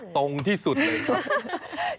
ตรงที่สุดเลย